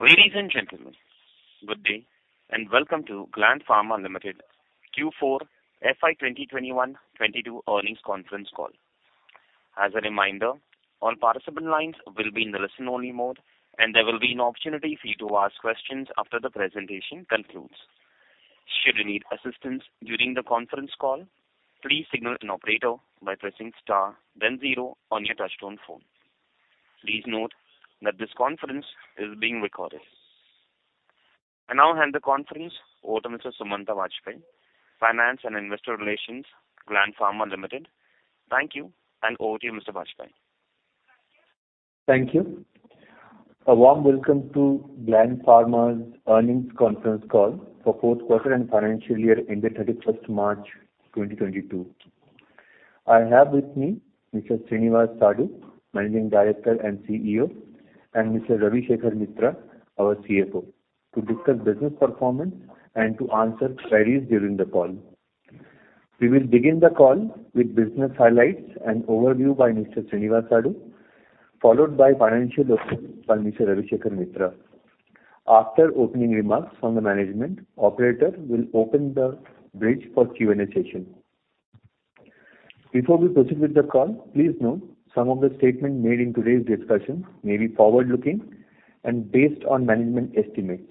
Ladies and gentlemen, good day, and welcome to Gland Pharma Limited Q4 FY 2021/2022 earnings conference call. As a reminder, all participant lines will be in the listen-only mode, and there will be an opportunity for you to ask questions after the presentation concludes. Should you need assistance during the conference call, please signal an operator by pressing star then zero on your touchtone phone. Please note that this conference is being recorded. I now hand the conference over to Mr. Sumanta Bajpayee, Finance and Investor Relations, Gland Pharma Limited. Thank you, and over to you, Mr. Bajpayee. Thank you. A warm welcome to Gland Pharma's earnings conference call for fourth quarter and financial year ending 31st March 2022. I have with me Mr. Srinivas Sadu, Managing Director and CEO, and Mr. Ravi Shekhar Mitra, our CFO, to discuss business performance and to answer queries during the call. We will begin the call with business highlights and overview by Mr. Srinivas Sadu, followed by financial overview by Mr. Ravi Shekhar Mitra. After opening remarks from the management, operator will open the bridge for Q&A session. Before we proceed with the call, please note some of the statement made in today's discussion may be forward-looking and based on management estimates.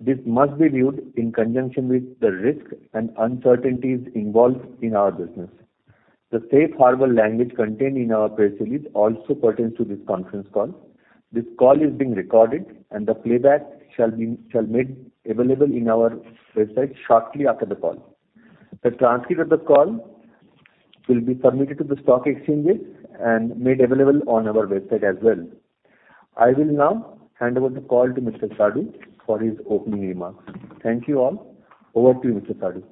This must be viewed in conjunction with the risks and uncertainties involved in our business. The safe harbor language contained in our press release also pertains to this conference call. This call is being recorded, and the playback shall be made available in our website shortly after the call. The transcript of the call will be submitted to the stock exchanges and made available on our website as well. I will now hand over the call to Mr. Sadu for his opening remarks. Thank you all. Over to you, Mr. Sadu.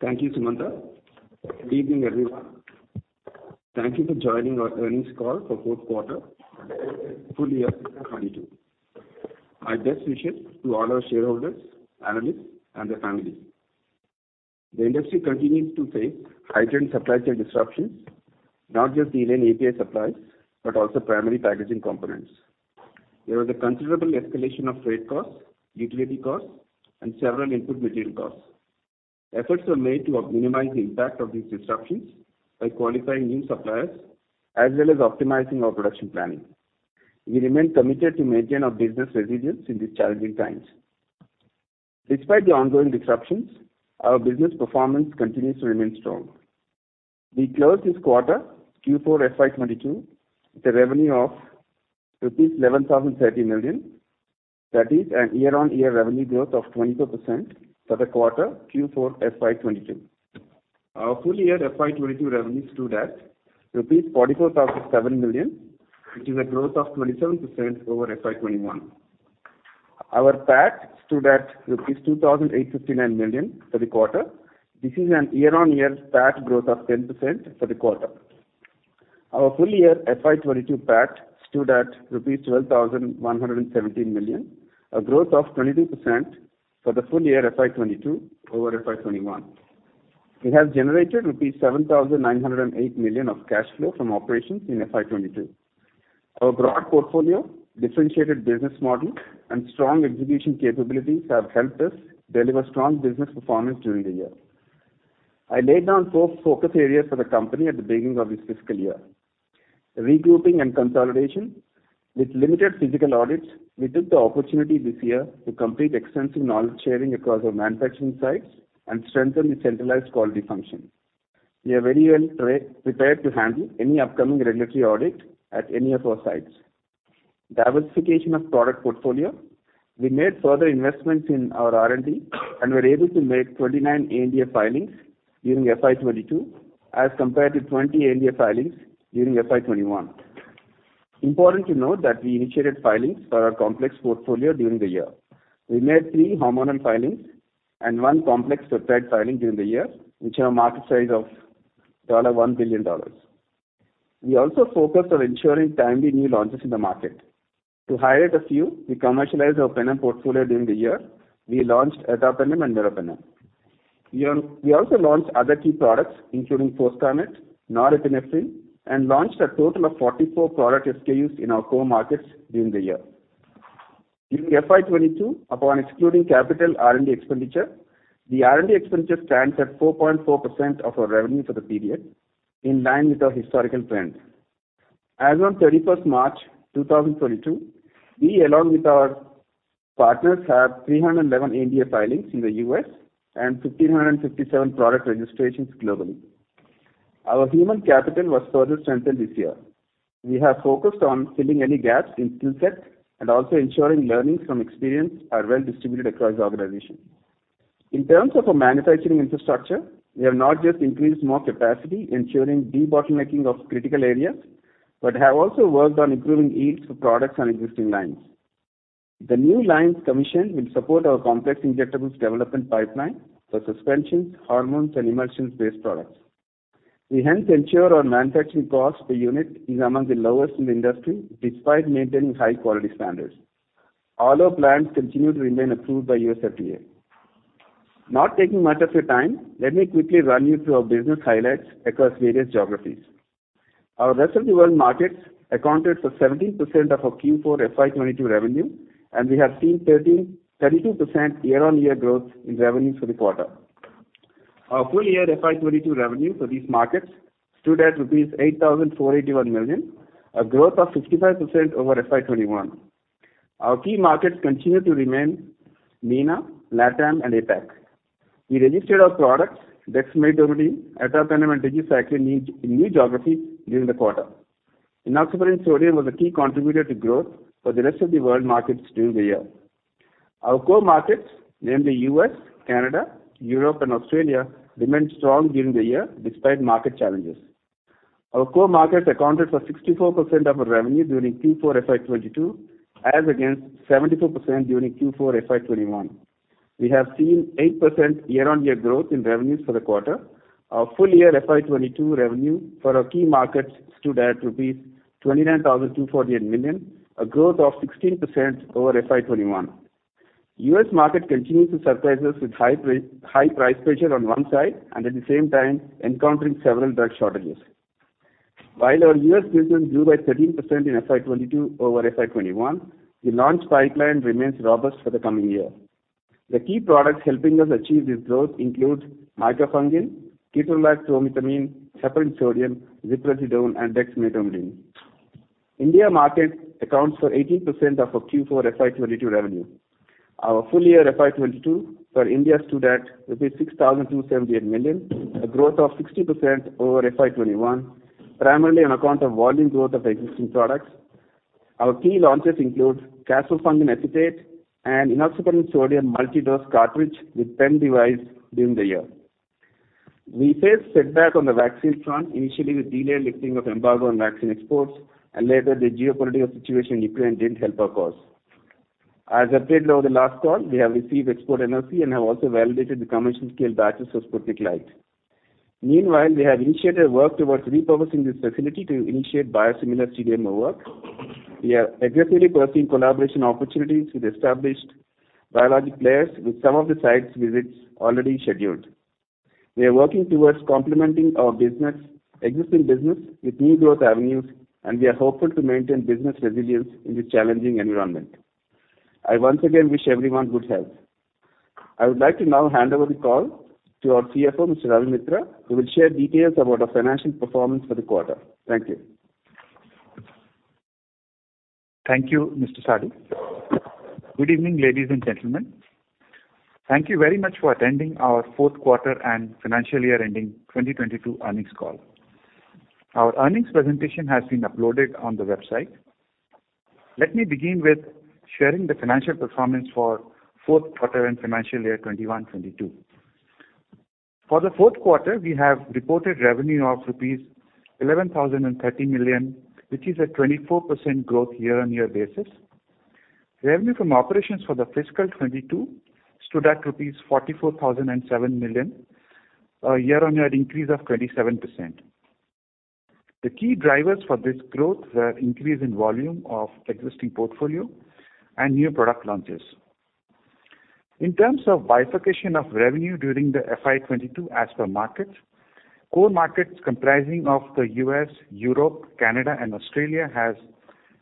Thank you, Sumanta. Good evening, everyone. Thank you for joining our earnings call for fourth quarter full year of FY 2022. Our best wishes to all our shareholders, analysts and their families. The industry continues to face heightened supply chain disruptions, not just delayed API supplies, but also primary packaging components. There was a considerable escalation of freight costs, utility costs, and several input material costs. Efforts were made to minimize the impact of these disruptions by qualifying new suppliers as well as optimizing our production planning. We remain committed to maintain our business resilience in these challenging times. Despite the ongoing disruptions, our business performance continues to remain strong. We closed this quarter, Q4 FY 2022, with revenue of rupees 11,030 million. That is a year-on-year revenue growth of 22% for the quarter Q4 FY 2022. Our full year FY 2022 revenues stood at rupees 44,700 million, which is a growth of 27% over FY 2021. Our PAT stood at rupees 2,859 million for the quarter. This is a year-on-year PAT growth of 10% for the quarter. Our full year FY 2022 PAT stood at 12,117 million, a growth of 22% for the full year FY 2022 over FY 2021. We have generated rupees 7,908 million of cash flow from operations in FY 2022. Our broad portfolio, differentiated business model, and strong execution capabilities have helped us deliver strong business performance during the year. I laid down four focus areas for the company at the beginning of this fiscal year. Regrouping and consolidation. With limited physical audits, we took the opportunity this year to complete extensive knowledge sharing across our manufacturing sites and strengthen the centralized quality function. We are very well prepared to handle any upcoming regulatory audit at any of our sites. Diversification of product portfolio. We made further investments in our R&D and were able to make 29 ANDA filings during FY 2022 as compared to 20 ANDA filings during FY 2021. Important to note that we initiated filings for our complex portfolio during the year. We made three hormonal filings and one complex peptide filing during the year, which have a market size of $1 billion. We also focused on ensuring timely new launches in the market. To highlight a few, we commercialized our penem portfolio during the year. We launched Ertapenem and Meropenem. We also launched other key products, including Foscarnet, Norepinephrine, and launched a total of 44 product SKUs in our core markets during the year. During FY 2022, upon excluding capital R&D expenditure, the R&D expenditure stands at 4.4% of our revenue for the period, in line with our historical trend. As of March 31, 2022, we along with our partners have 311 ANDA filings in the U.S. and 1,557 product registrations globally. Our human capital was further strengthened this year. We have focused on filling any gaps in skill set and also ensuring learnings from experience are well distributed across the organization. In terms of our manufacturing infrastructure, we have not just increased more capacity ensuring debottlenecking of critical areas, but have also worked on improving yields for products on existing lines. The new lines commissioned will support our complex injectables development pipeline for suspensions, hormones, and emulsions-based products. We hence ensure our manufacturing cost per unit is among the lowest in the industry despite maintaining high quality standards. All our plants continue to remain approved by U.S. FDA. Not taking much of your time, let me quickly run you through our business highlights across various geographies. Our rest of the world markets accounted for 17% of our Q4 FY 2022 revenue, and we have seen 13.32% year-on-year growth in revenues for the quarter. Our full year FY 2022 revenue for these markets stood at rupees 8,481 million, a growth of 55% over FY 2021. Our key markets continue to remain MENA, LatAm and APAC. We registered our products, Dexamethasone, Etoposide and Digoxin in new geographies during the quarter. Enoxaparin Sodium was a key contributor to growth for the rest of the world markets during the year. Our core markets, namely U.S., Canada, Europe and Australia, remained strong during the year despite market challenges. Our core markets accounted for 64% of our revenue during Q4 FY 2022, as against 74% during Q4 FY 2021. We have seen 8% year-on-year growth in revenues for the quarter. Our full year FY 2022 revenue for our key markets stood at rupees 29,248 million, a growth of 16% over FY 2021. U.S. market continues to surprise us with high price pressure on one side and at the same time encountering several drug shortages. While our U.S. business grew by 13% in FY 2022 over FY 2021, the launch pipeline remains robust for the coming year. The key products helping us achieve this growth includes Micafungin, Ketorolac Tromethamine, Heparin Sodium, Zopiclone and Dexamethasone. India market accounts for 18% of our Q4 FY 2022 revenue. Our full year FY 2022 for India stood at rupees 6,278 million, a growth of 60% over FY 2021, primarily on account of volume growth of existing products. Our key launches include Caspofungin Acetate and Enoxaparin Sodium multi-dose cartridge with pen device during the year. We faced setback on the vaccine front, initially with delayed lifting of embargo on vaccine exports and later the geopolitical situation in Ukraine didn't help our cause. As updated over the last call, we have received export NOC and have also validated the commercial scale batches of Sputnik Light. Meanwhile, we have initiated work towards repurposing this facility to initiate biosimilar CDMO work. We are aggressively pursuing collaboration opportunities with established biologic players with some of the site visits already scheduled. We are working towards complementing our business, existing business with new growth avenues, and we are hopeful to maintain business resilience in this challenging environment. I once again wish everyone good health. I would like to now hand over the call to our CFO, Mr. Ravi Mitra, who will share details about our financial performance for the quarter. Thank you. Thank you, Mr. Srinivas Sadu. Good evening, ladies and gentlemen. Thank you very much for attending our fourth quarter and financial year ending 2022 earnings call. Our earnings presentation has been uploaded on the website. Let me begin with sharing the financial performance for fourth quarter and financial year 2021-2022. For the fourth quarter, we have reported revenue of rupees 11,030 million, which is a 24% growth year-on-year basis. Revenue from operations for the fiscal 2022 stood at rupees 44,007 million, a year-on-year increase of 27%. The key drivers for this growth were increase in volume of existing portfolio and new product launches. In terms of bifurcation of revenue during the FY 2022 as per markets, core markets comprising of the U.S., Europe, Canada and Australia has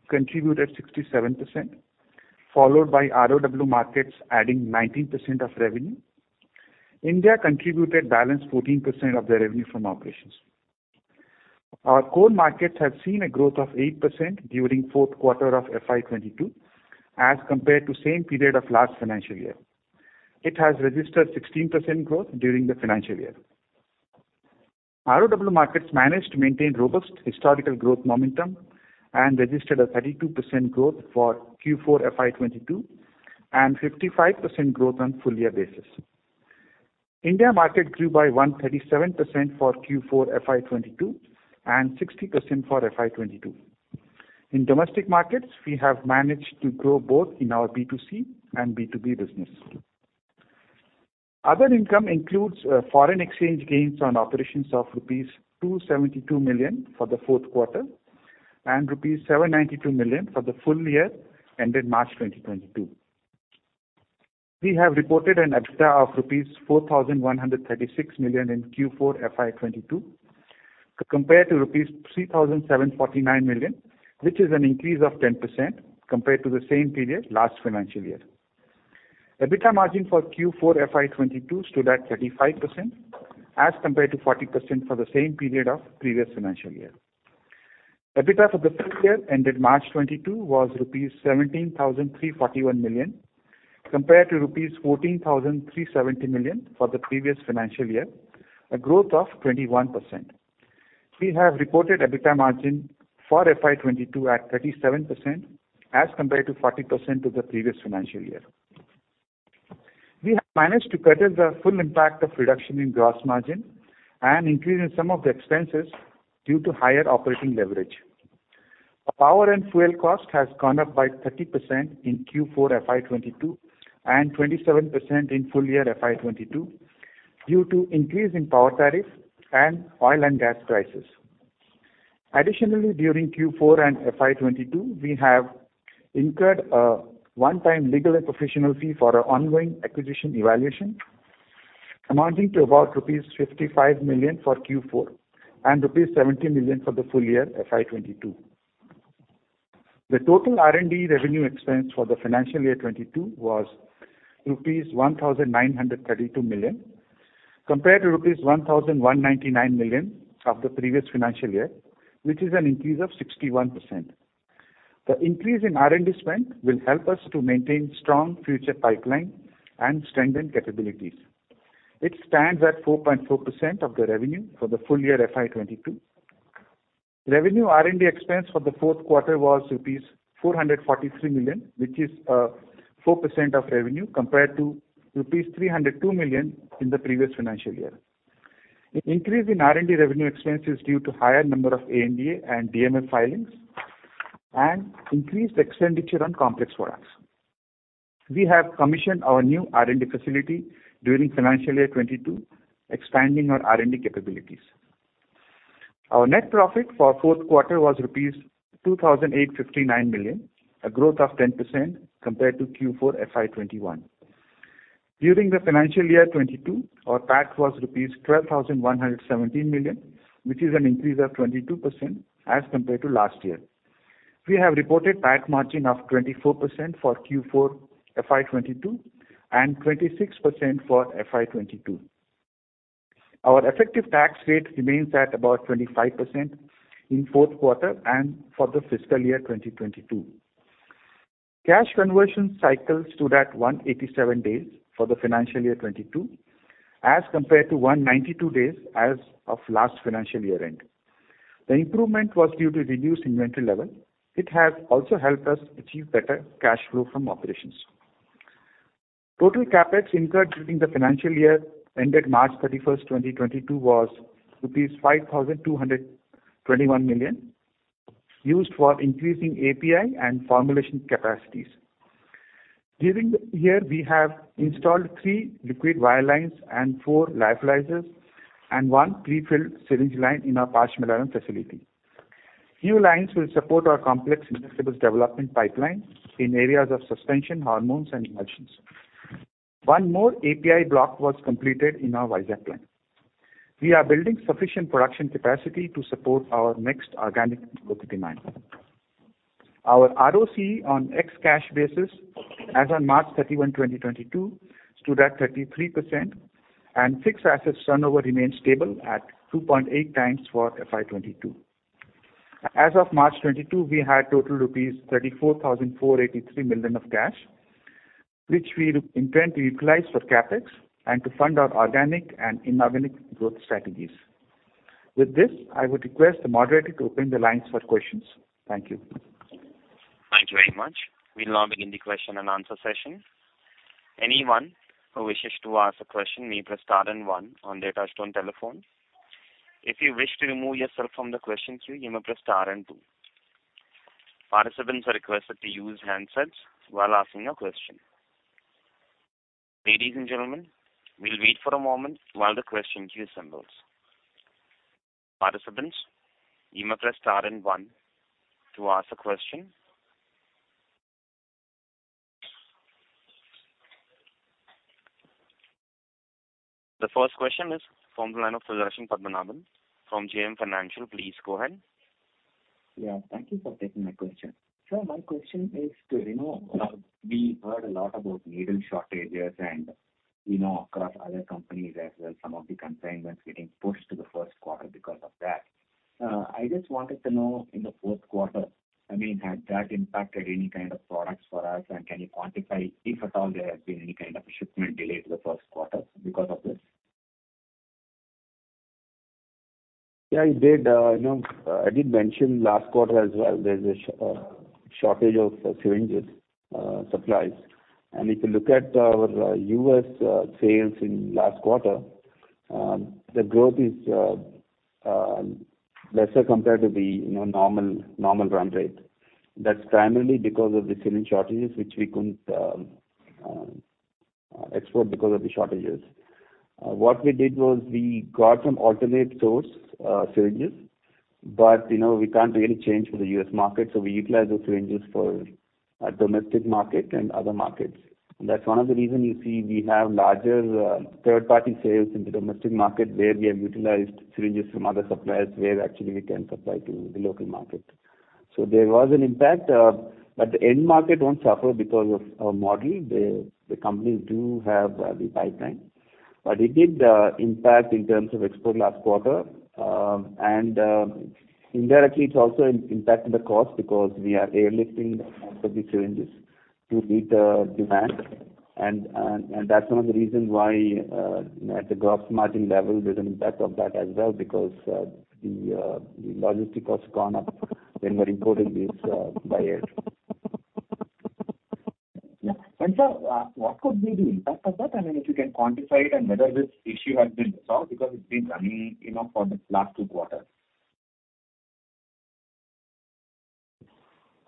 contributed 67%, followed by ROW markets adding 19% of revenue. India contributed balance 14% of the revenue from operations. Our core markets have seen a growth of 8% during fourth quarter of FY 2022 as compared to same period of last financial year. It has registered 16% growth during the financial year. ROW markets managed to maintain robust historical growth momentum and registered a 32% growth for Q4 FY 2022 and 55% growth on full year basis. India market grew by 137% for Q4 FY 2022 and 60% for FY 2022. In domestic markets, we have managed to grow both in our B2C and B2B business. Other income includes foreign exchange gains on operations of rupees 272 million for the fourth quarter and rupees 792 million for the full year ended March 2022. We have reported an EBITDA of rupees 4,136 million in Q4 FY 2022, compared to rupees 3,749 million, which is an increase of 10% compared to the same period last financial year. EBITDA margin for Q4 FY 2022 stood at 35% as compared to 40% for the same period of previous financial year. EBITDA for the full year ended March 2022 was rupees 17,341 million compared to rupees 14,370 million for the previous financial year, a growth of 21%. We have reported EBITDA margin for FY 2022 at 37% as compared to 40% of the previous financial year. We have managed to curtail the full impact of reduction in gross margin and increase in some of the expenses due to higher operating leverage. Our power and fuel cost has gone up by 30% in Q4 FY 2022 and 27% in full year FY 2022 due to increase in power tariff and oil and gas prices. Additionally, during Q4 and FY 2022, we have incurred a one-time legal and professional fee for our ongoing acquisition evaluation, amounting to about rupees 55 million for Q4 and rupees 70 million for the full year FY 2022. The total R&D revenue expense for the financial year 2022 was rupees 1,932 million, compared to rupees 1,199 million of the previous financial year, which is an increase of 61%. The increase in R&D spend will help us to maintain strong future pipeline and strengthen capabilities. It stands at 4.4% of the revenue for the full year FY 2022. R&D expense for the fourth quarter was rupees 443 million, which is 4% of revenue compared to rupees 302 million in the previous financial year. Increase in R&D revenue expense is due to higher number of ANDA and DMF filings and increased expenditure on complex products. We have commissioned our new R&D facility during financial year 2022, expanding our R&D capabilities. Our net profit for fourth quarter was rupees 2,859 million, a growth of 10% compared to Q4 FY 2021. During the financial year 2022, our PAT was rupees 12,117 million, which is an increase of 22% as compared to last year. We have reported PAT margin of 24% for Q4 FY 2022 and 26% for FY 2022. Our effective tax rate remains at about 25% in fourth quarter and for the fiscal year 2022. Cash conversion cycle stood at 187 days for the financial year 2022, as compared to 192 days as of last financial year end. The improvement was due to reduced inventory level. It has also helped us achieve better cash flow from operations. Total CapEx incurred during the financial year ended March 31st, 2022 was rupees 5,221 million used for increasing API and formulation capacities. During the year, we have installed three liquid vial lines and four lyophilizers and one prefilled syringe line in our Pashamylaram facility. New lines will support our complex injectables development pipeline in areas of suspension, hormones and emulsions. One more API block was completed in our Vizag plant. We are building sufficient production capacity to support our next organic demand. Our ROC on ex-cash basis as on March 31, 2022 stood at 33%, and fixed assets turnover remains stable at 2.8 times for FY 2022. As of March 2022, we had total rupees 34,483 million of cash, which we do intend to utilize for CapEx and to fund our organic and inorganic growth strategies. With this, I would request the moderator to open the lines for questions. Thank you. Thank you very much. We'll now begin the question and answer session. Anyone who wishes to ask a question may press star and one on their touchtone telephone. If you wish to remove yourself from the question queue, you may press star and two. Participants are requested to use handsets while asking a question. Ladies and gentlemen, we'll wait for a moment while the question queue assembles. Participants, you may press star and one to ask a question. The first question is from the line of Sudarshan Padmanabhan from JM Financial. Please go ahead. Yeah, thank you for taking my question. Sir, my question is to, you know, we heard a lot about needle shortages and, you know, across other companies as well, some of the consignments getting pushed to the first quarter because of that. I just wanted to know in the fourth quarter, I mean, has that impacted any kind of products for us? And can you quantify if at all there has been any kind of a shipment delay to the first quarter because of this? Yeah, it did. You know, I did mention last quarter as well, there's a shortage of syringe supplies. If you look at our U.S. sales in last quarter, the growth is lesser compared to the, you know, normal run rate. That's primarily because of the syringe shortages, which we couldn't export because of the shortages. What we did was we got some alternate source syringes, but you know, we can't really change for the U.S. market, so we utilized those syringes for our domestic market and other markets. That's one of the reason you see we have larger third-party sales in the domestic market where we have utilized syringes from other suppliers where actually we can supply to the local market. There was an impact, but the end market won't suffer because of our model. The companies do have the pipeline, but it did impact in terms of export last quarter. Indirectly, it's also impacting the cost because we are airlifting most of the syringes to meet the demand and that's one of the reason why, you know, at the gross margin level there's an impact of that as well because the logistics has gone up when we're importing these by air. Yeah. Sir, what could be the impact of that? I mean, if you can quantify it and whether this issue has been resolved because it's been running, you know, for the last two quarters.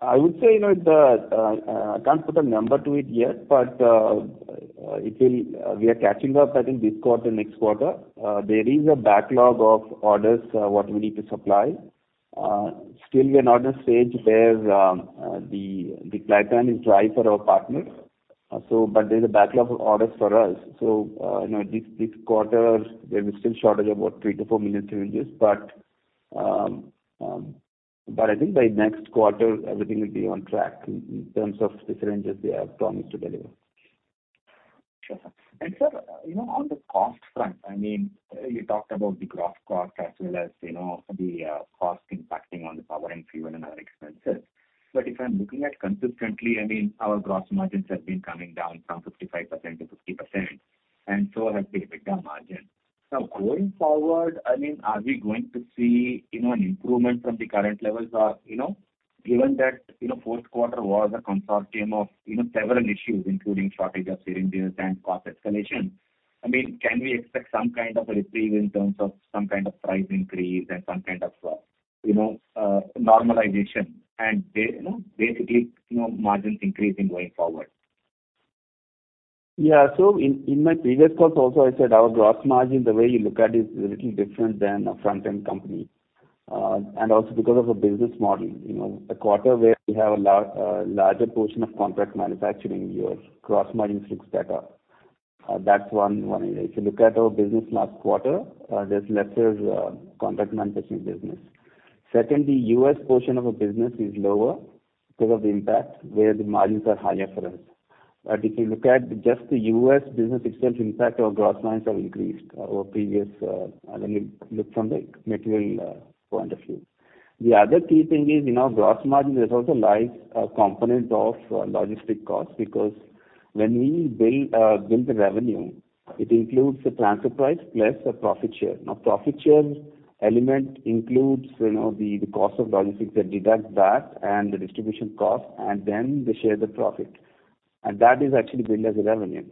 I would say, you know, I can't put a number to it yet, but it will. We are catching up, I think, this quarter, next quarter. There is a backlog of orders what we need to supply. Still we are not in a stage where the pipeline is dry for our partners. But there's a backlog of orders for us. You know, this quarter there is still shortage of about 3-4 million syringes, but I think by next quarter everything will be on track in terms of the syringes we have promised to deliver. Sure, sir. Sir, you know, on the cost front, I mean, you talked about the gross cost as well as, you know, the cost impacting on the power and fuel and other expenses. If I'm looking consistently at our gross margins, I mean, they have been coming down from 55%-50%, and so has the EBITDA margin. Now, going forward, I mean, are we going to see, you know, an improvement from the current levels or, you know, given that, you know, the fourth quarter was a confluence of, you know, several issues, including shortage of syringes and cost escalation, I mean, can we expect some kind of a reprieve in terms of some kind of price increase and some kind of, you know, basically, you know, margins increasing going forward? Yeah. In my previous calls also I said our gross margin, the way you look at it, is a little different than a front-end company. Also because of the business model. You know, a quarter where we have a larger portion of contract manufacturing, yeah, gross margin looks better. That's one area. If you look at our business last quarter, there's lesser contract manufacturing business. Secondly, U.S. portion of our business is lower because of the impact where the margins are higher for us. If you look at just the U.S. business itself, in fact, our gross margins have increased over previous, when we look from the material point of view. The other key thing is, you know, gross margin. There's also lies a component of logistics costs because when we build the revenue, it includes the transfer price plus the profit share. Now, profit share element includes, you know, the cost of logistics that deducts that and the distribution cost, and then they share the profit. That is actually billed as a revenue.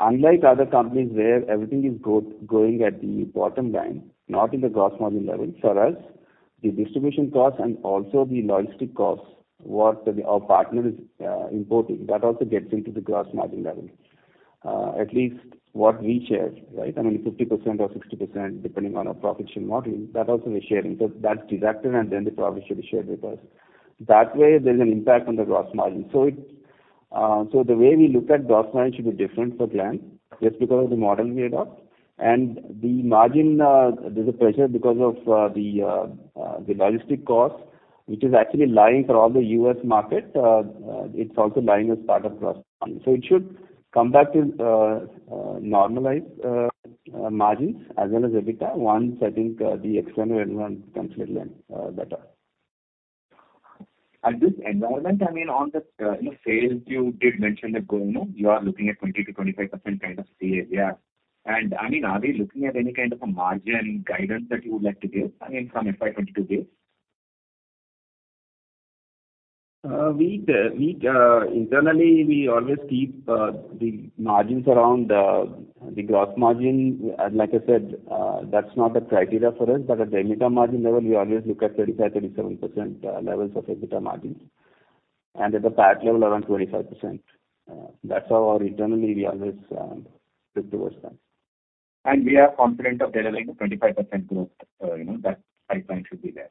Unlike other companies where everything is going at the bottom line, not in the gross margin level, for us the distribution costs and also the logistics costs what our partner is importing, that also gets into the gross margin level. At least what we share, right? I mean, 50% or 60%, depending on our profit share modeling, that also we're sharing. That's deducted and then the profit share is shared with us. That way there's an impact on the gross margin. The way we look at gross margin should be different for Gland, just because of the model we adopt. The margin, there's a pressure because of the logistics cost, which is actually lying for all the U.S. market. It's also lying as part of gross margin. It should come back to normalized margins as well as EBITDA once I think the external environment becomes a little better. This environment, I mean, on the sales, you know, you did mention that growth, you know, you are looking at 20%-25% kind of CAGR. I mean, are we looking at any kind of a margin guidance that you would like to give, I mean, from FY 2022 base? We internally always keep the margins around the gross margin. Like I said, that's not a criterion for us. At the EBITDA margin level, we always look at 35%-37% levels of EBITDA margin. At the PAT level around 25%. That's how we internally always look toward that. We are confident of delivering the 25% growth, you know, that pipeline should be there.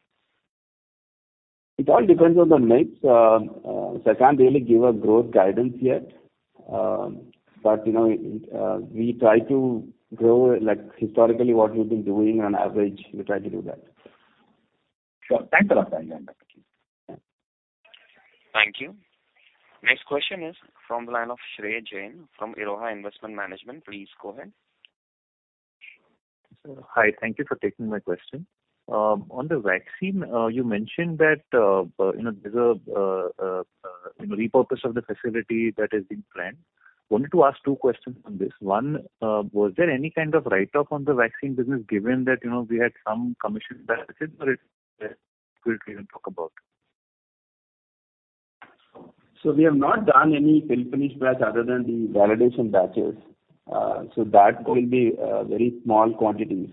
It all depends on the mix. I can't really give a growth guidance yet. You know, we try to grow like historically what we've been doing on average, we try to do that. Sure. Thank you. Thank you. Next question is from the line of Shrey Jain from Iroha Investment Management. Please go ahead. Sir, hi. Thank you for taking my question. On the vaccine, you mentioned that, you know, there's a, you know, repurpose of the facility that is being planned. Wanted to ask two questions on this. One, was there any kind of write-off on the vaccine business given that, you know, we had some commission benefits or is there We have not done any fill finish batch other than the validation batches. That will be very small quantities.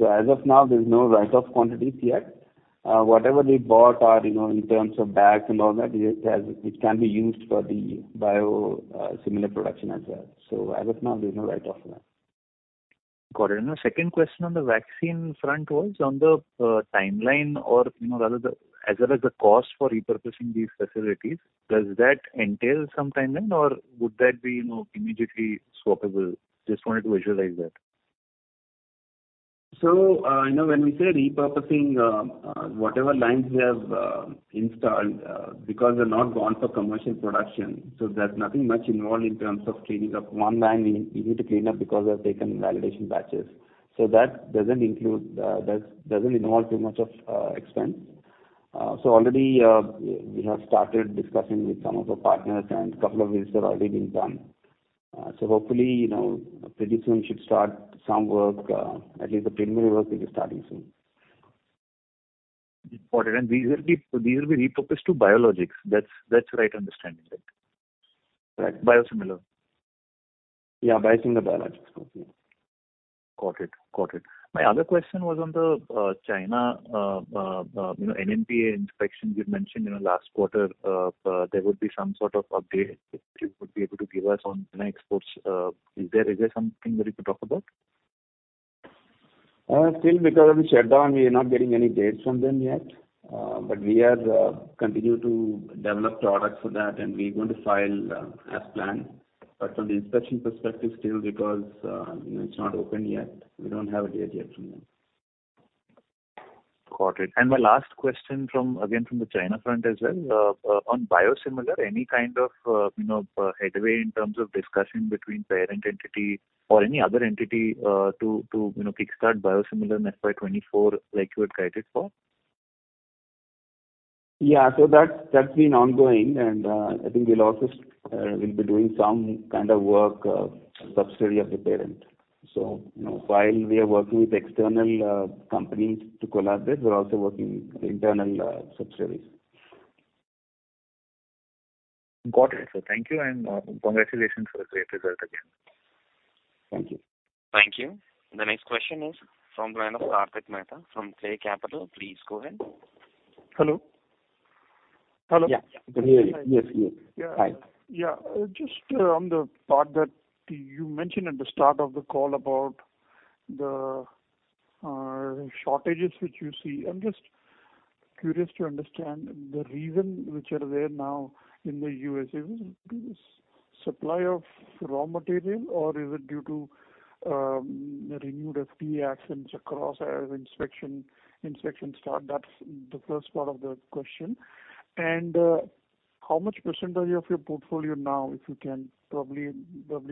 As of now, there's no write-off quantities yet. Whatever we bought or, you know, in terms of bags and all that, it can be used for the biosimilar production as well. As of now, there's no write-off for that. Got it. The second question on the vaccine front was on the timeline or, you know, rather the, as well as the cost for repurposing these facilities. Does that entail some timeline or would that be, you know, immediately swappable? Just wanted to visualize that. You know, when we say repurposing, whatever lines we have installed, because they're not gone for commercial production, there's nothing much involved in terms of cleaning up. One line we need to clean up because we have taken validation batches. That doesn't involve too much of expense. Already, we have started discussing with some of our partners and couple of visits have already been done. Hopefully, you know, pretty soon should start some work. At least the preliminary work will be starting soon. Important. These will be repurposed to biologics. That's the right understanding, right? Right. Biosimilar. Yeah, biosimilar biologics. Got it. My other question was on the China, you know, NMPA inspection you'd mentioned in the last quarter. There would be some sort of update that you would be able to give us on China exports. Is there something that you could talk about? Still because of the shutdown, we are not getting any dates from them yet. We continue to develop products for that, and we're going to file as planned. From the inspection perspective, still because, you know, it's not open yet, we don't have a date yet from them. Got it. My last question again from the China front as well. On biosimilar, any kind of, you know, headway in terms of discussion between parent entity or any other entity, to you know, kickstart biosimilar in FY 2024 like you had guided for? Yeah. That's been ongoing. I think we'll also be doing some kind of work subsidiary of the parent. You know, while we are working with external companies to collaborate, we're also working with the internal subsidiaries. Got it. Thank you and congratulations for the great result again. Thank you. Thank you. The next question is from the line of Kartik Mehta from Klay Capital. Please go ahead. Hello? Yeah. Can hear you. Yes, yes. Hi. Just on the part that you mentioned at the start of the call about the shortages which you see. I'm just curious to understand the reason which are there now in the U.S. Is it due to short supply of raw material, or is it due to renewed FDA actions across inspections as inspections start? That's the first part of the question. How much percentage of your portfolio now, if you can probably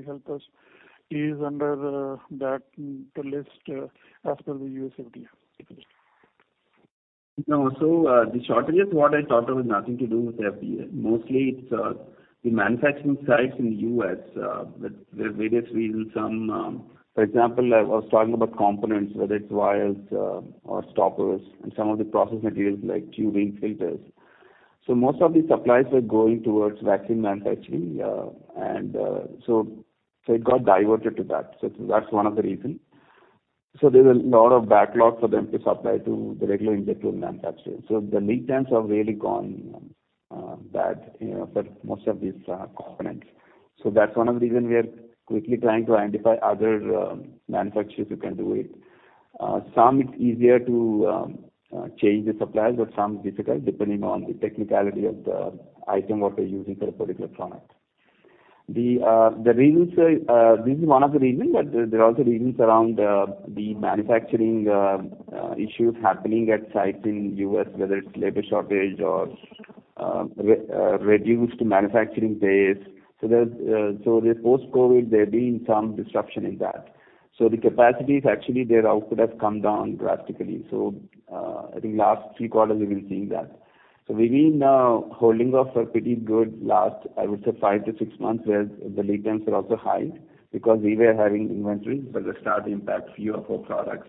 help us, is under the list as per the U.S. FDA, please? No. The shortages I talked of have nothing to do with FDA. Mostly it's the manufacturing sites in the U.S. with various reasons. For example, I was talking about components, whether it's wires or stoppers and some of the process materials like tubing, filters. Most of these supplies were going towards vaccine manufacturing. It got diverted to that. That's one of the reasons. There's a lot of backlog for them to supply to the regular injectable manufacturers. The lead times have really gone bad, you know, for most of these components. That's one of the reasons we are quickly trying to identify other manufacturers who can do it. Some it's easier to change the suppliers, but some difficult depending on the technicality of the item, what they're using for a particular product. The reasons, this is one of the reasons, but there are also reasons around the manufacturing issues happening at sites in U.S., whether it's labor shortage or reduced manufacturing base. Post-COVID, there have been some disruption in that. The capacity is actually their output has come down drastically. I think last three quarters we've been seeing that. We've been holding up pretty good for the last, I would say five to six months, where the lead times were also high because we were having inventory. It started to impact few of our products,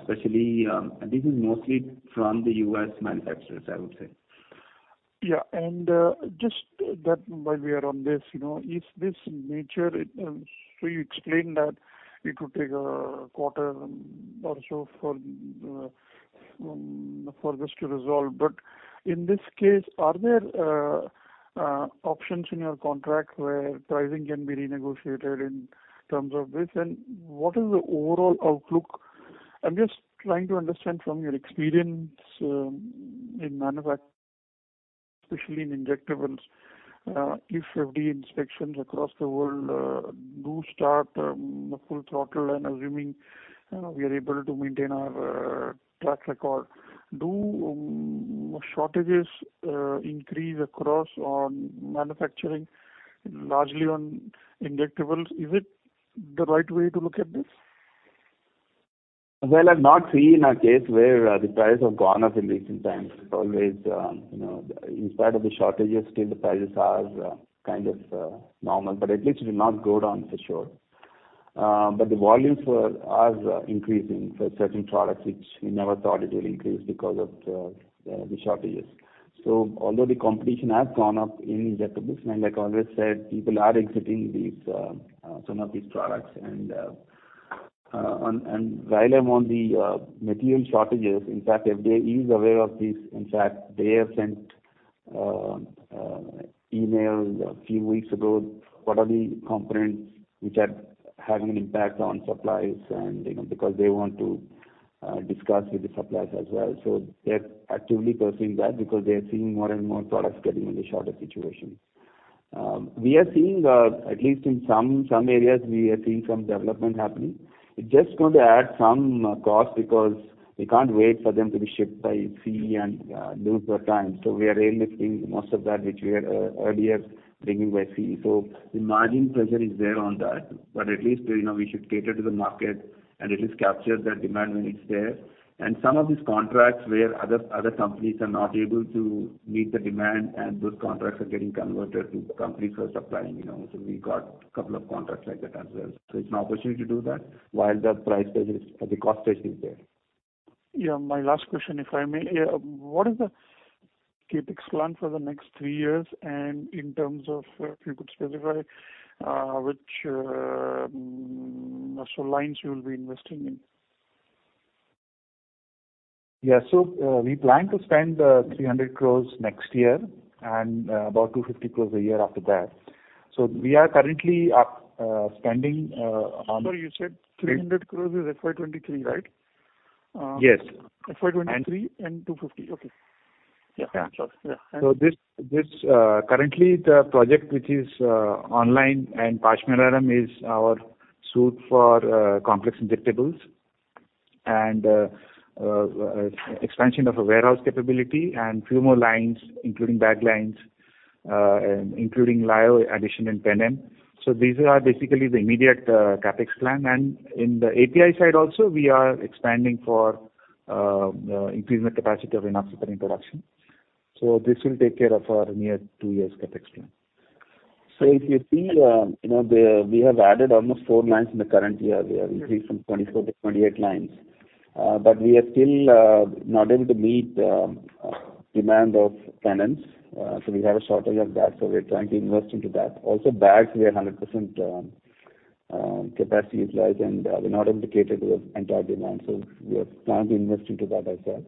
especially. This is mostly from the U.S. manufacturers, I would say. Just that while we are on this, you know, so you explained that it could take a quarter or so for this to resolve. In this case, are there options in your contract where pricing can be renegotiated in terms of this? And what is the overall outlook? I'm just trying to understand from your experience in manufacturing, especially in injectables, if FDA inspections across the world do start full throttle and assuming we are able to maintain our track record, do shortages increase in manufacturing largely in injectables? Is it the right way to look at this? Well, I've not seen a case where the prices have gone up in recent times. Always, you know, in spite of the shortages, still the prices are kind of normal, but at least it will not go down for sure. The volumes are increasing for certain products, which we never thought it will increase because of the shortages. Although the competition has gone up in injectables, and like I always said, people are exiting these, some of these products. While I'm on the material shortages, in fact FDA is aware of this. In fact, they have sent email a few weeks ago, what are the components which are having an impact on supplies and, you know, because they want to discuss with the suppliers as well. They're actively pursuing that because they are seeing more and more products getting in a shortage situation. We are seeing at least in some areas some development happening. It's just going to add some cost because we can't wait for them to be shipped by sea and lose time. We are airlifting most of that which we were earlier bringing by sea. The margin pressure is there on that. At least, you know, we should cater to the market and at least capture that demand when it's there. Some of these contracts where other companies are not able to meet the demand and those contracts are getting converted to companies who are supplying, you know. We got a couple of contracts like that as well. It's an opportunity to do that while the price pressure, the cost pressure is there. Yeah, my last question, if I may. What is the CapEx plan for the next three years and in terms of, if you could specify, which, so lines you will be investing in? Yeah. We plan to spend 300 crores next year and about 250 crores a year after that. We are currently spending on- Sorry. You said 300 crore is FY 2023, right? Yes. FY 2023 and 250. Okay. Yeah. Yeah. Sure. Yeah. Currently the project which is online and Pashamylaram is our site for complex injectables and expansion of a warehouse capability and few more lines, including bag lines, including Lyo addition in Penem. These are basically the immediate CapEx plan. In the API side also, we are expanding for increasing the capacity of Enoxaparin production. This will take care of our near two years CapEx plan. If you see, we have added almost four lines in the current year. We have increased from 24 to 28 lines. But we are still not able to meet demand of Penems. We are trying to invest into that. Also bags, we are 100% capacity utilized, and we're not able to cater to the entire demand, so we are planning to invest into that as well.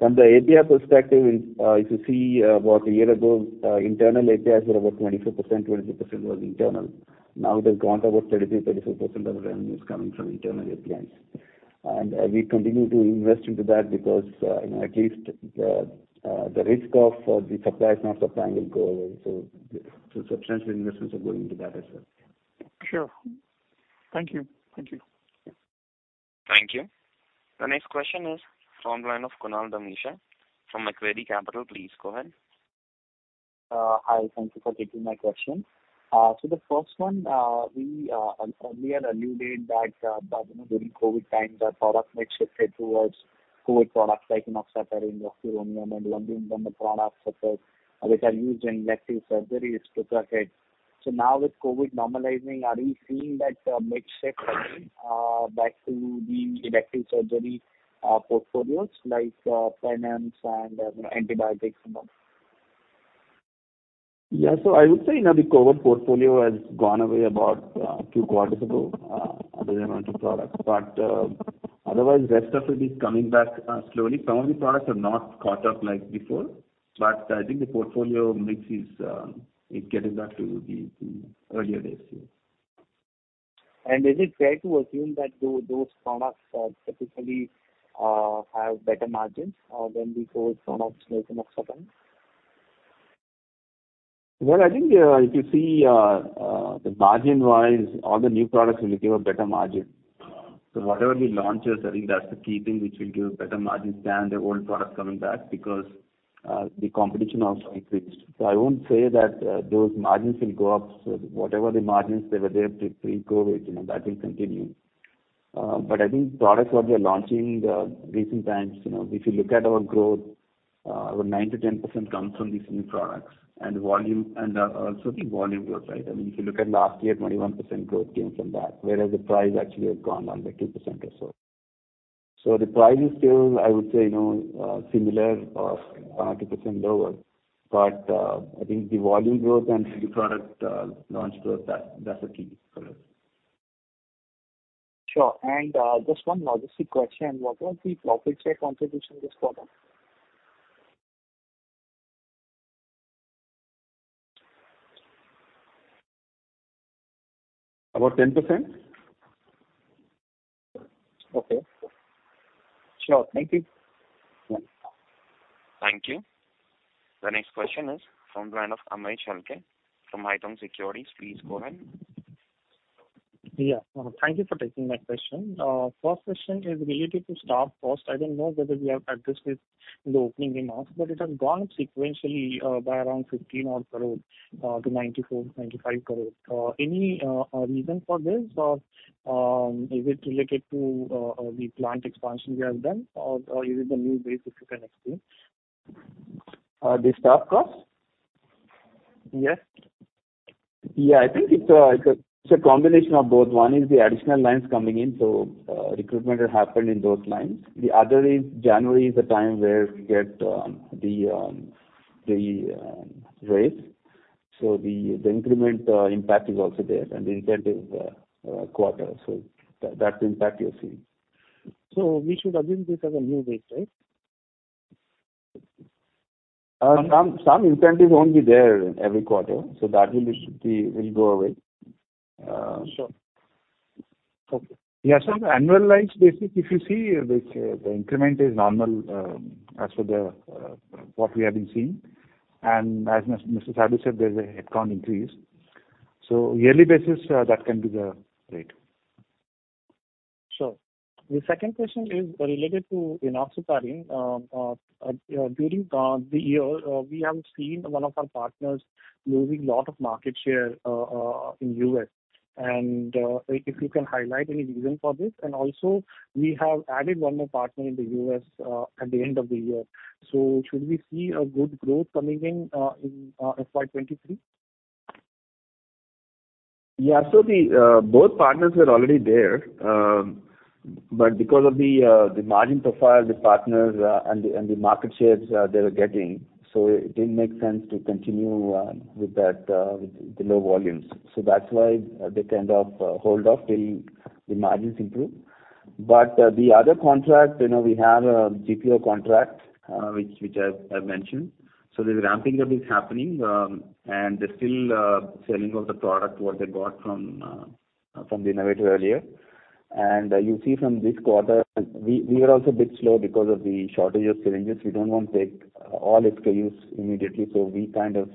From the API perspective, if you see, about a year ago, internal APIs were about 25%. 25% was internal. Now they've gone to about 33-35% of the revenue is coming from internal API. We continue to invest into that because, you know, at least the risk of the suppliers not supplying will go away. Substantial investments are going into that as well. Sure. Thank you. Thank you. Thank you. The next question is from the line of Kunal Dhamesha from Macquarie Capital. Please go ahead. Hi. Thank you for taking my question. The first one, we earlier alluded that that, you know, during COVID times our product mix shifted towards COVID products like Enoxaparin, Hydroxychloroquine and Remdesivir from the products such as, which are used in elective surgeries took a hit. Now with COVID normalizing, are you seeing that mix shift back to the elective surgery portfolios like Penems and you know, antibiotics and all? Yeah. I would say, you know, the COVID portfolio has gone away about two quarters ago, other than one, two products. Otherwise rest of it is coming back slowly. Some of the products have not caught up like before, but I think the portfolio mix is it getting back to the earlier days, yeah. Is it fair to assume that those products typically have better margins than the core products like Enoxaparin? Well, I think if you see the margin-wise, all the new products will give a better margin. Whatever we launch, I think that's the key thing which will give better margins than the old products coming back because the competition also increased. I won't say that those margins will go up. Whatever the margins they were there pre-COVID, you know that will continue. But I think products what we are launching recent times, you know, if you look at our growth, over 9%-10% comes from these new products. Volume and also the volume growth, right? I mean, if you look at last year, 21% growth came from that, whereas the price actually have gone down by 2% or so. The price is still, I would say, you know, similar or 2% lower. I think the volume growth and the product launch growth, that's the key for us. Sure. Just one logistics question. What was the profit share contribution of this product? About 10%. Okay. Sure. Thank you. Yeah. Thank you. The next question is from the line of Amit Shalke from Haitong Securities. Please go ahead. Yeah. Thank you for taking my question. First question is related to staff cost. I don't know whether we have addressed this in the opening remarks, but it has gone sequentially by around 15-odd crore to 94 crore-95 crore. Any reason for this? Or is it related to the plant expansion we have done? Or is it the new base, if you can explain? The staff cost? Yes. Yeah. I think it's a combination of both. One is the additional lines coming in, so recruitment had happened in those lines. The other is January is the time where we get the raise. The increment quarter. That's the impact you're seeing. We should assume this as a new base, right? Some incentives won't be there every quarter, so that will go away. Sure. Okay. Annualized basis, if you see which the increment is normal as per what we have been seeing. As Mr. Sadu said, there's a headcount increase. Yearly basis, that can be the rate. Sure. The second question is related to Enoxaparin. During the year, we have seen one of our partners losing a lot of market share in the U.S. If you can highlight any reason for this. Also we have added one more partner in the U.S. at the end of the year. Should we see good growth coming in FY 2023? Yeah. The both partners were already there. Because of the margin profile, the partners and the market shares they were getting, it didn't make sense to continue with that, with the low volumes. That's why they kind of hold off till the margins improve. The other contract, you know, we have a GPO contract which I've mentioned. The ramping up is happening, and they're still selling off the product what they bought from the innovator earlier. You see from this quarter, we are also a bit slow because of the shortage of syringes. We don't want to take all SKUs immediately, so we kind of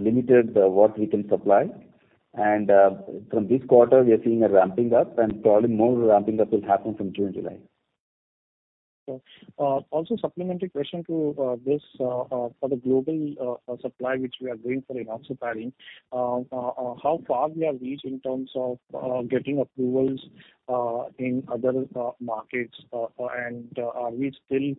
limited what we can supply. From this quarter, we are seeing a ramping up, and probably more ramping up will happen from June, July. Sure. Also supplementary question to this for the global supply which we are doing for Enoxaparin. How far we have reached in terms of getting approvals in other markets? Are we still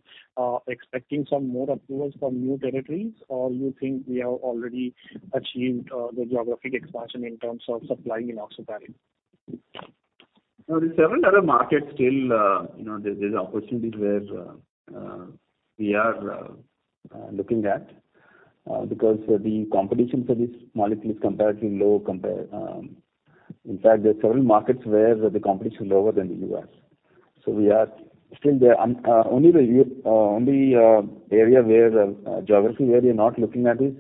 expecting some more approvals from new territories, or you think we have already achieved the geographic expansion in terms of supplying Enoxaparin? No, there are several other markets still, you know, there's opportunities where we are looking at because the competition for this molecule is comparatively low compared. In fact, there are several markets where the competition is lower than the U.S. We are still there. Only the area, the geography where we're not looking at is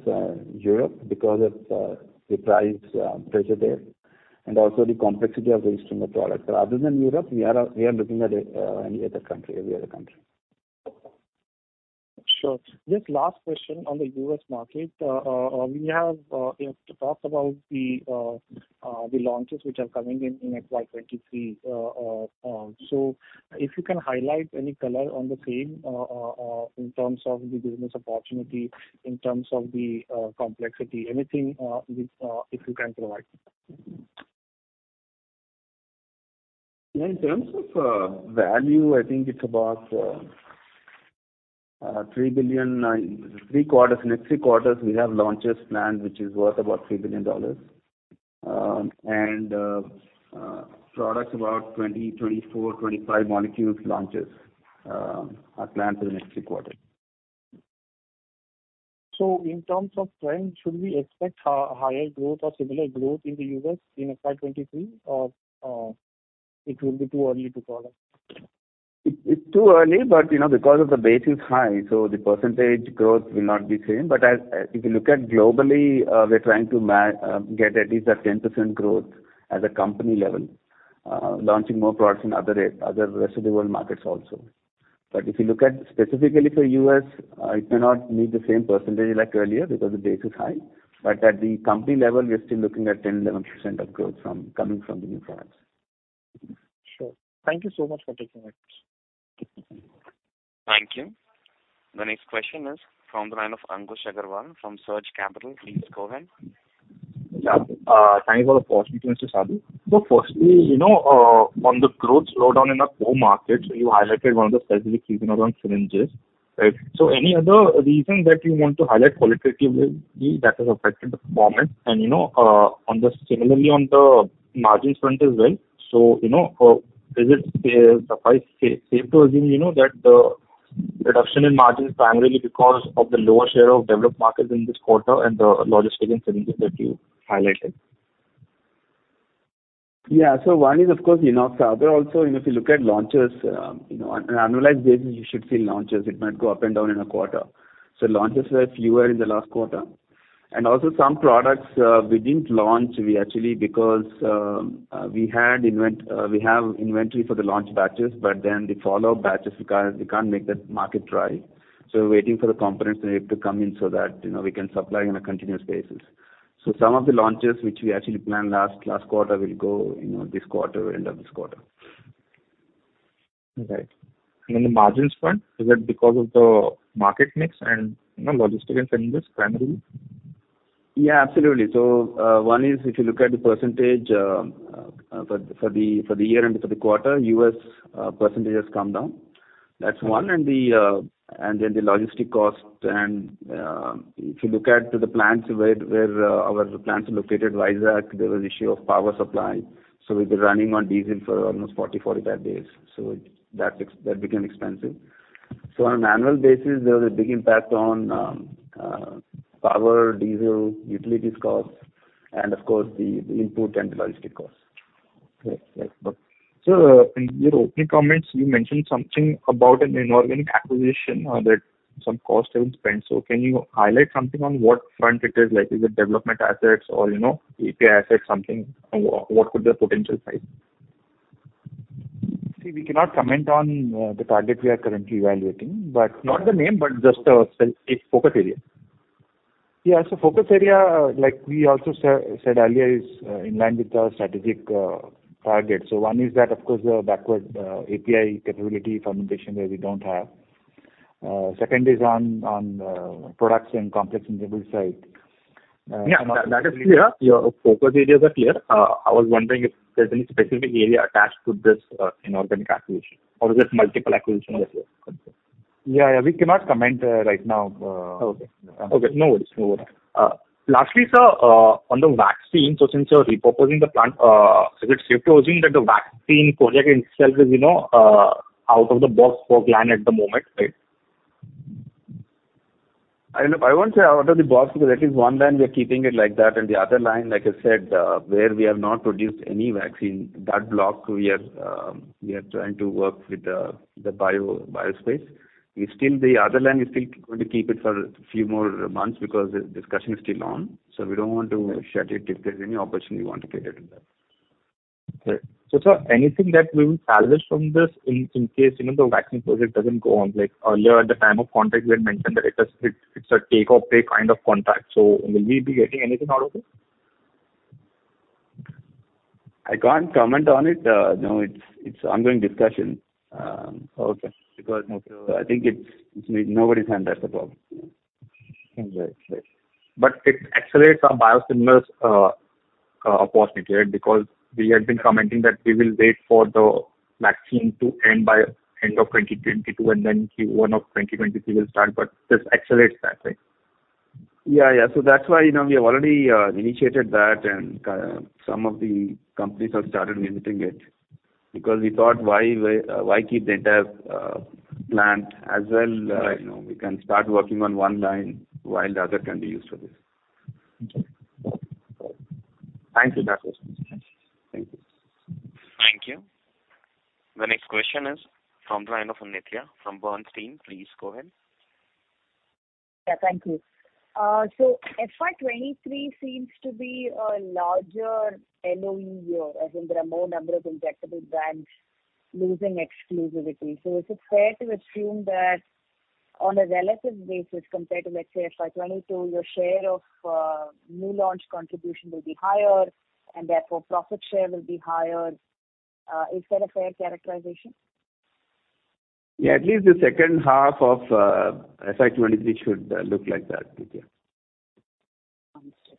Europe because of the price pressure there and also the complexity of registering the product. Other than Europe, we are looking at any other country, every other country. Sure. Just last question on the U.S. market. You have to talk about the launches which are coming in FY 2023. If you can highlight any color on the same, in terms of the business opportunity, in terms of the complexity, anything which if you can provide. Yeah. In terms of value, I think it's about $3 billion, three quarters. Next three quarters we have launches planned, which is worth about $3 billion. Products about 24-25 molecules launches are planned for the next three quarters. In terms of trend, should we expect higher growth or similar growth in the U.S. in FY 2023 or it will be too early to call out? It's too early, but you know, because the base is high, so the percentage growth will not be same. As if you look globally, we're trying to get at least a 10% growth at the company level, launching more products in other rest of the world markets also. If you look specifically for U.S., it may not meet the same percentage like earlier because the base is high. At the company level, we are still looking at 10, 11% of growth coming from the new products. Sure. Thank you so much for taking my questions. Thank you. The next question is from the line of Ankush Agrawal from Surge Capital. Please go ahead. Yeah. Thanks for the opportunity, Mr. Sadu. Firstly, you know, on the growth slowdown in the core markets, you highlighted one of the specific reasons around syringes, right? Any other reason that you want to highlight qualitatively that has affected the performance and, you know, and similarly on the margin front as well. You know, is it safe to assume that the reduction in margins is primarily because of the lower share of developed markets in this quarter and the logistics and syringes that you highlighted? Yeah. One is of course, you know, the other also, you know, if you look at launches, you know, on an annualized basis, you should see launches. It might go up and down in a quarter. Launches were fewer in the last quarter. Also some products, we didn't launch, we actually because we have inventory for the launch batches, but then the follow-up batches, we can't let the market dry. We're waiting for the components to come in so that, you know, we can supply on a continuous basis. Some of the launches which we actually planned last quarter will go, you know, this quarter, end of this quarter. Right. On the margins front, is that because of the market mix and, you know, logistics and syringes primarily? Yeah, absolutely. One is if you look at the percentage for the year and for the quarter, U.S. percentage has come down. That's one. Then the logistics cost. If you look at the plants where our plants are located, Vizag, there was issue of power supply. We've been running on diesel for almost 44-45 days. That became expensive. On an annual basis, there was a big impact on power, diesel, utilities costs, and of course the input and the logistics costs. Yes. In your opening comments, you mentioned something about an inorganic acquisition that some costs have been spent. Can you highlight something on what front it is? Like is it development assets or, you know, API assets, something, what could be the potential size? See, we cannot comment on the target we are currently evaluating, but Not the name, but just say its focus area. Yeah. Focus area, like we also said earlier, is in line with our strategic target. One is that of course the backward API capability fermentation that we don't have. Second is on products and complex injectables side. Yeah, that is clear. Your focus areas are clear. I was wondering if there's any specific area attached to this, inorganic acquisition or is this multiple acquisition as well? Yeah, yeah, we cannot comment right now. Okay, no worries. Lastly, sir, on the vaccine, so since you're repurposing the plant, so it's safe to assume that the vaccine project itself is, you know, out of the box for Gland at the moment, right? I don't know. I won't say out of the box because at least one line we are keeping it like that, and the other line, like I said, where we have not produced any vaccine, that block we are trying to work with the bio space. The other line is still going to keep it for a few more months because the discussion is still on, so we don't want to shut it. If there's any opportunity, we want to get it in there. Okay. Sir, anything that we will salvage from this in case, you know, the vaccine project doesn't go on, like earlier at the time of contract, you had mentioned that it's a take or pay kind of contract, so will we be getting anything out of it? I can't comment on it. No, it's ongoing discussion. Okay. Because, I think it's between nobody's hand, that's the problem. Yeah. Right. It accelerates our biosimilars opportunity, right? Because we had been commenting that we will wait for the vaccine to end by end of 2022, and then Q1 of 2023 will start, but this accelerates that, right? Yeah, yeah. That's why, you know, we have already initiated that, and some of the companies have started visiting it. Because we thought, why keep the entire plant as well? Right. You know, we can start working on one line while the other can be used for this. Okay. Thanks for that question. Thanks. Thank you. Thank you. The next question is from the line of Nitya from Bernstein. Please go ahead. Yeah, thank you. FY 2023 seems to be a larger LOE year, as in there are more number of injectable brands losing exclusivity. Is it fair to assume that on a relative basis compared to, let's say, FY 2022, your share of new launch contribution will be higher, and therefore profit share will be higher? Is that a fair characterization? Yeah, at least the second half of FY 2023 should look like that, Nitya. Understood.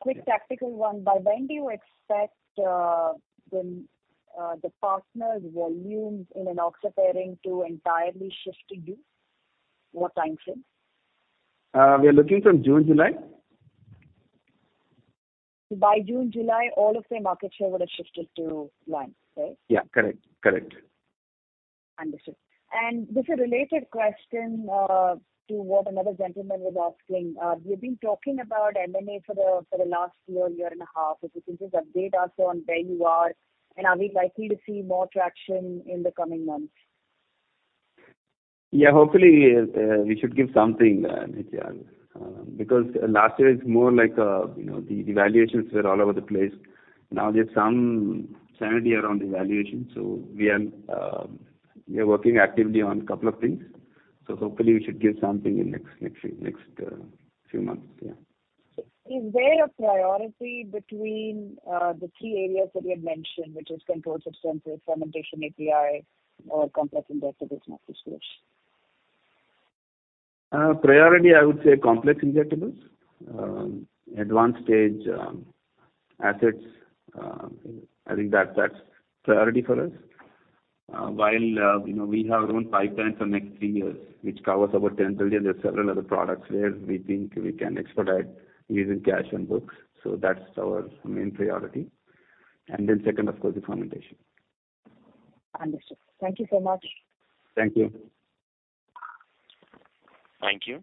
Quick tactical one. By when do you expect the partner's volumes in Enoxaparin to entirely shift to you? What time frame? We are looking from June, July. By June, July, all of their market share would have shifted to Gland, right? Yeah. Correct. Correct. Understood. Just a related question to what another gentleman was asking. You've been talking about M&A for the last year and a half. If you can just update us on where you are, and are we likely to see more traction in the coming months? Yeah. Hopefully, we should give something, Nitya. Because last year it's more like, you know, the valuations were all over the place. Now there's some sanity around the valuation, so we are working actively on couple of things. Hopefully we should give something in next few months. Yeah. Is there a priority between the three areas that you had mentioned, which is controlled substances, fermentation API, or complex injectables, Nitya? Priority I would say complex injectables. Advanced stage assets, I think that's priority for us. While you know we have our own pipelines for next three years, which covers about 10 billion, there are several other products where we think we can expedite using cash on books. That's our main priority. Then second, of course, is fermentation. Understood. Thank you so much. Thank you. Thank you.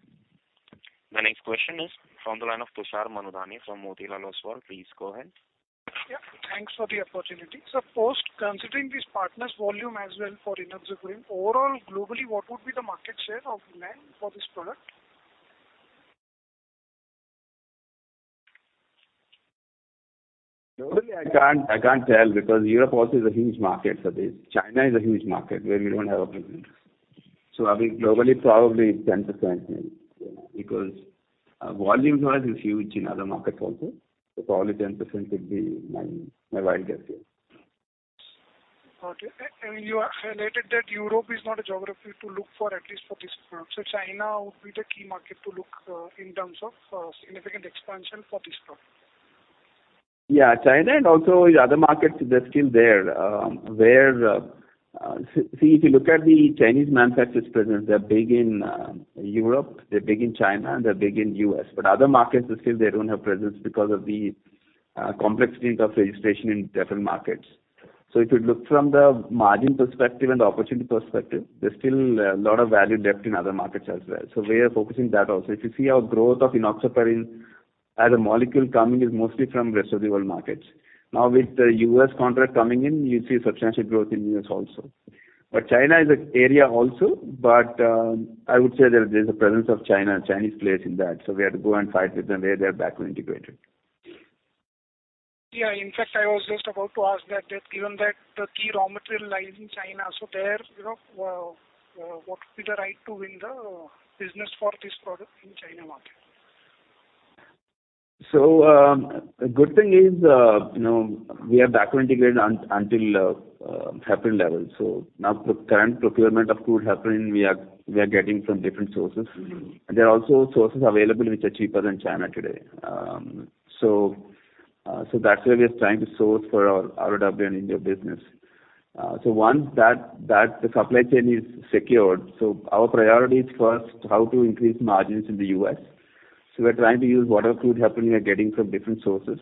The next question is from the line of Tushar Manudhane from Motilal Oswal. Please go ahead. Yeah. Thanks for the opportunity. Post considering this partner's volume as well for Enoxaparin, overall globally, what would be the market share of Gland for this product? Globally I can't tell because Europe also is a huge market for this. China is a huge market where we don't have a presence. I mean, globally probably 10% maybe. Yeah. Because volumes are huge in other markets also. Probably 10% would be my wild guess, yeah. Got it. You highlighted that Europe is not a geography to look for at least for this product. China would be the key market to look in terms of significant expansion for this product. Yeah. China and also other markets, they're still there. See, if you look at the Chinese manufacturer's presence, they're big in Europe, they're big in China, and they're big in U.S. Other markets still, they don't have presence because of the complexities of registration in different markets. If you look from the margin perspective and the opportunity perspective, there's still a lot of value left in other markets as well. We are focusing that also. If you see our growth of Enoxaparin as a molecule coming is mostly from rest of the world markets. Now, with the U.S. contract coming in, you'll see substantial growth in U.S. also. China is an area also, but I would say that there's a presence of Chinese players in that. We have to go and fight with them where they're backward integrated. Yeah. In fact, I was just about to ask that, given that the key raw material lies in China, so there, you know, what would be the right to win the business for this product in China market? The good thing is, you know, we are backward integrated until heparin level. Now the current procurement of crude heparin we are getting from different sources. Mm-hmm. There are also sources available which are cheaper than China today. That's where we are trying to source for our ROW and India business. Once the supply chain is secured, our priority is first how to increase margins in the U.S. We're trying to use whatever crude heparin we are getting from different sources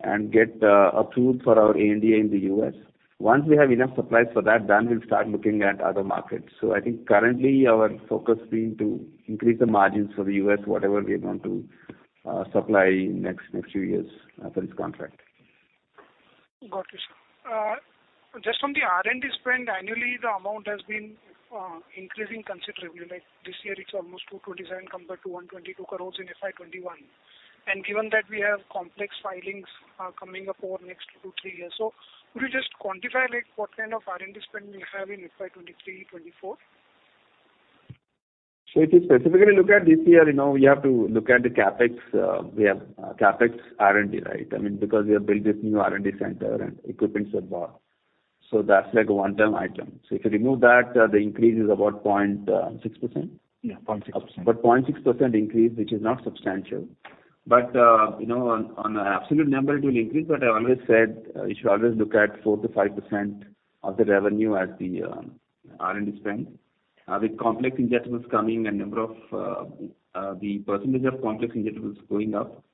and get approved for our ANDA in the U.S. Once we have enough supplies for that, we'll start looking at other markets. I think currently our focus being to increase the margins for the U.S., whatever we are going to supply next few years for this contract. Got it. Just on the R&D spend, annually the amount has been increasing considerably. Like, this year it's almost 227 crore compared to 122 crore in FY 2021. Given that we have complex filings coming up over next two to three years. Could you just quantify, like, what kind of R&D spend you have in FY 2023, 2024? If you specifically look at this year, you know, we have to look at the CapEx. We have CapEx R&D, right? I mean, because we have built this new R&D center and equipment is bought. That's like a one-time item. If you remove that, the increase is about 0.6%. Yeah, 0.6%. 0.6% increase, which is not substantial. You know, on an absolute number it will increase. I always said you should always look at 4%-5% of the revenue as the R&D spend. With complex injectables coming and the percentage of complex injectables going up.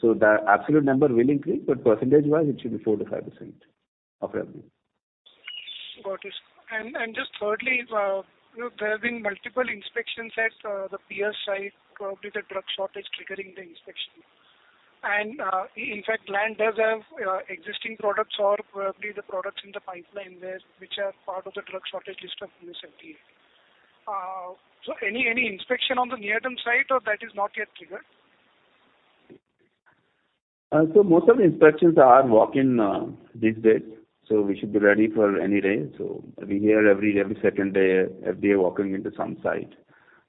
So the absolute number will increase, but percentage-wise it should be 4%-5% of revenue. Got it. Just thirdly, there have been multiple inspections at the peer site, probably the drug shortage triggering the inspection. In fact, Gland does have existing products or probably the products in the pipeline there which are part of the drug shortage list of U.S. FDA. Any inspection on the near-term site or that is not yet triggered? Most of the inspections are walk-in these days, so we should be ready for any day. We hear every second day FDA walking into some site.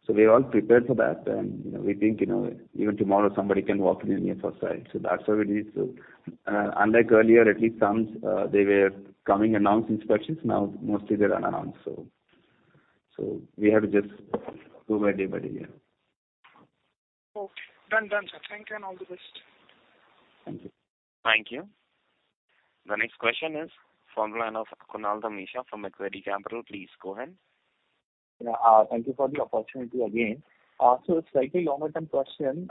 We are all prepared for that. You know, we think, you know, even tomorrow somebody can walk in any of our site. That's why we need to, unlike earlier, at least some they were coming announced inspections. Now mostly they're unannounced, so we have to just go by day by day, yeah. Okay. Done, done, sir. Thank you and all the best. Thank you. Thank you. The next question is from the line of Kunal Dhamesha from Macquarie Capital. Please go ahead. Yeah. Thank you for the opportunity again. So slightly longer term question.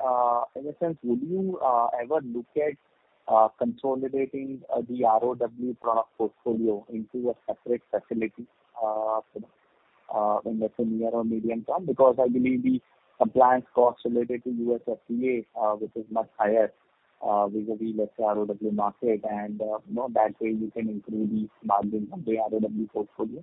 In a sense, would you ever look at consolidating the ROW product portfolio into a separate facility, you know, in the near or medium term? Because I believe the compliance costs related to U.S. FDA, which is much higher, vis-à-vis, let's say, ROW market and, you know, that way you can improve the margin of the ROW portfolio.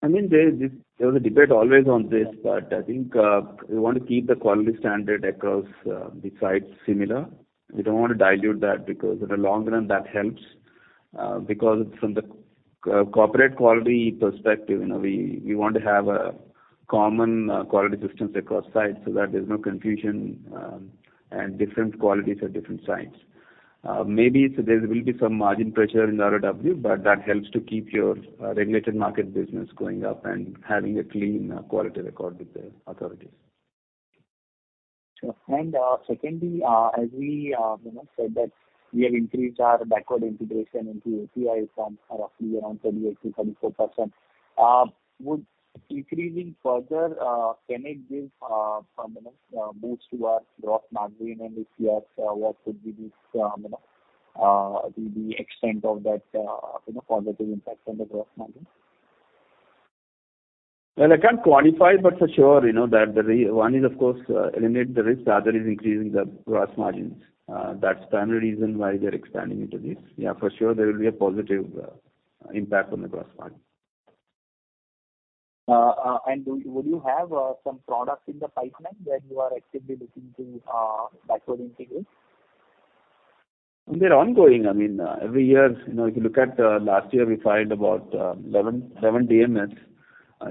There was a debate always on this, but I think we want to keep the quality standard across the sites similar. We don't want to dilute that because in the long run that helps. From the corporate quality perspective, you know, we want to have a common quality systems across sites so that there's no confusion and different qualities at different sites. Maybe so there will be some margin pressure in ROW, but that helps to keep your regulated market business going up and having a clean quality record with the authorities. Sure. Secondly, as we you know said that we have increased our backward integration into API from roughly around 38%-44%. Can it give you know boost to our gross margin? If yes, what could be this, you know, the extent of that, you know positive impact on the gross margin? Well, I can't quantify, but for sure, you know, one is of course eliminate the risk, the other is increasing the gross margins. That's primary reason why we are expanding into this. Yeah, for sure there will be a positive impact on the gross margin. Would you have some products in the pipeline where you are actively looking to backward integrate? They're ongoing. I mean, every year, you know, if you look at, last year we filed about 11 DMFs.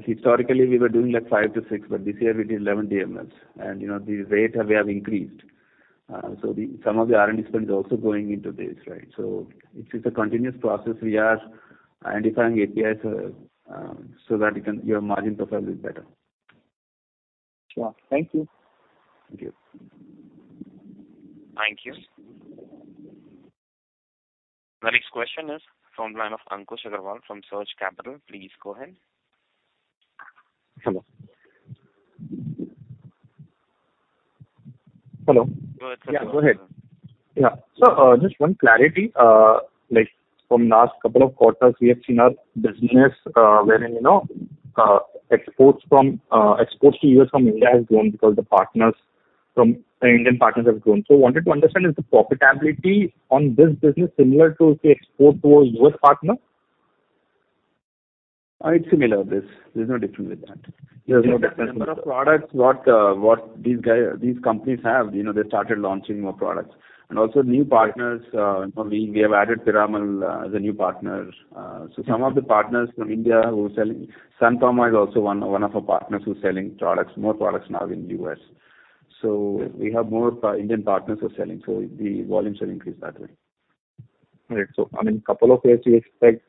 Historically we were doing like five to six, but this year we did 11 DMFs. You know, the rate we have increased. Some of the R&D spend is also going into this, right? It's a continuous process. We are identifying APIs so that your margin profile is better. Sure. Thank you. Thank you. Thank you. The next question is from the line of Ankush Agrawal from Surge Capital. Please go ahead. Hello? Hello. Go ahead, sir. Yeah, go ahead. Yeah. Just one clarity. Like from last couple of quarters, we have seen our business, wherein, you know, exports to U.S. from India has grown because the Indian partners have grown. Wanted to understand, is the profitability on this business similar to, say, export to a U.S. partner? It's similar. There's no difference with that. There's no difference. The number of products these companies have, you know, they started launching more products and also new partners. You know, we have added Piramal as a new partner. Some of the partners from India who are selling. Sun Pharma is also one of our partners who's selling products, more products now in U.S. We have more Indian partners who are selling, so the volumes have increased that way. Right. I mean, couple of years you expect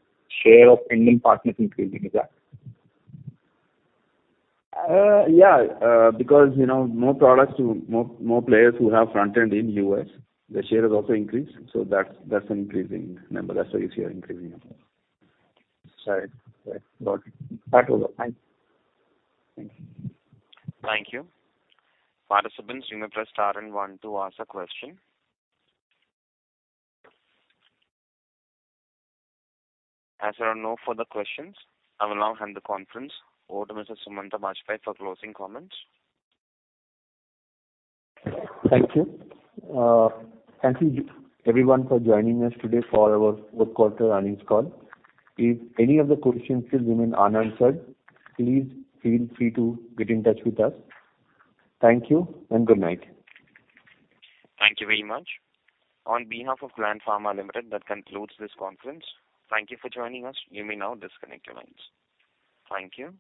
share of Indian partners increasing. Is that? Because you know, more products to more players who have front end in U.S., their share has also increased. That's an increasing number. That's why you see an increasing number. Right. Got it. That was all. Thanks. Thank you. Thank you. Participants, you may press star and one to ask a question. As there are no further questions, I will now hand the conference over to Mr. Sumanta Bajpayee for closing comments. Thank you. Thank you everyone for joining us today for our fourth quarter earnings call. If any of the questions still remain unanswered, please feel free to get in touch with us. Thank you and good night. Thank you very much. On behalf of Gland Pharma Limited, that concludes this conference. Thank you for joining us. You may now disconnect your lines. Thank you.